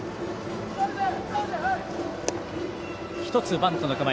１つ、バントの構え。